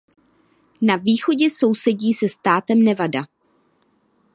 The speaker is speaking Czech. Na východě sousedí se státem Nevada.